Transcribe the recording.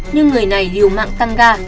nhưng người này liều mạng tăng ga